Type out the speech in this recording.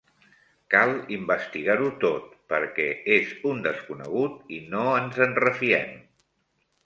Cal investigar-ho tot perquè és un desconegut i no ens en refiem.